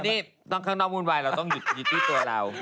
นี่ข้างนอกวุ่นวายเราต้องหยุดยิดที่ตัวเรา